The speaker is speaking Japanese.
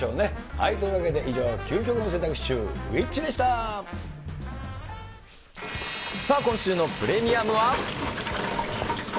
はい、というわけで、以上、究極の選択、シューＷｈｉｃｈで今週のプレミアムは。